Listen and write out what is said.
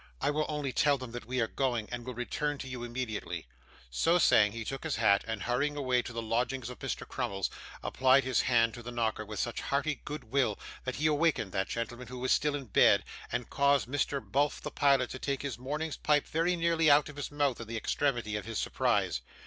I will only tell them that we are going, and will return to you immediately.' So saying, he took his hat, and hurrying away to the lodgings of Mr Crummles, applied his hand to the knocker with such hearty good will, that he awakened that gentleman, who was still in bed, and caused Mr Bulph the pilot to take his morning's pipe very nearly out of his mouth in the extremity of his surprise.